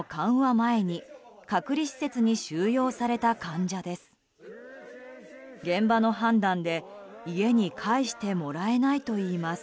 前に隔離施設に収容された患者です。